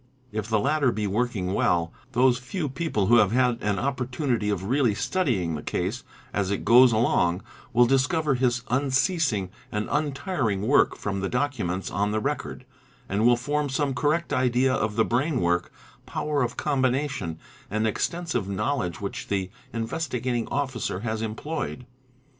If the latter be working well, those few people who have had an opportunity of really studying the case as it goes along will discover his unceasing and untiring work from the documents _ on the record and will form some correct idea of the brain work, power of EDS APM O LS IER A EE OEE eT 1 G8 9 GOA 2 combination, and extensive knowledge which the Investigating Officer has employed.